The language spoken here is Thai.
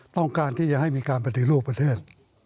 ต้องการที่จะให้มีการปฏิรูปประเทศ